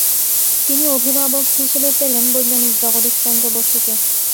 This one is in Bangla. তিনি অভিভাবক হিসেবে পেলেন বৈজ্ঞানিক জগদীশচন্দ্র বসুকে।